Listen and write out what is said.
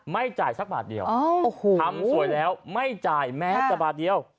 ไม่จ่ายสักบาทเดียวทำสวยแล้วไม่จ่ายแม้แต่บาทเดียว